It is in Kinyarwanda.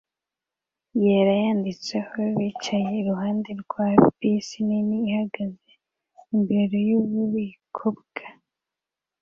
yera yanditseho bicaye iruhande rwa bisi nini ihagaze imbere yububiko bwa